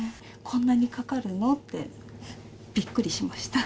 こんなにかかるのって、びっくりしました。